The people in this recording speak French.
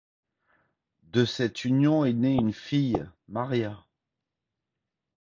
De cette union est née une fille Maria.